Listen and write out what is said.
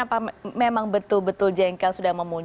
apa memang betul betul jengkel sudah memuncul